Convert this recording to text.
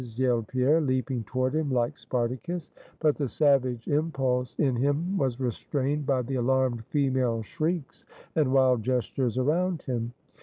yelled Pierre, leaping toward him like Spartacus. But the savage impulse in him was restrained by the alarmed female shrieks and wild gestures around him.